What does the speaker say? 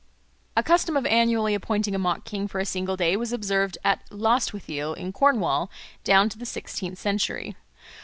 A custom of annually appointing a mock king for a single day was observed at Lostwithiel in Cornwall down to the sixteenth century.